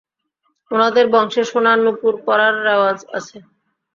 উনাদের বংশে সোনার নূপুর পরার রেওয়াজ আছে।